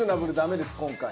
今回。